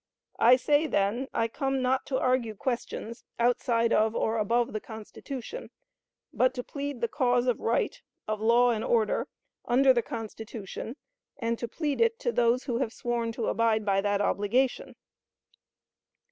I say, then, I come not to argue questions outside of or above the Constitution, but to plead the cause of right, of law and order, under the Constitution and to plead it to those who have sworn to abide by that obligation.